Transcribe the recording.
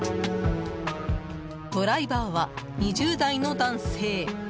ドライバーは２０代の男性。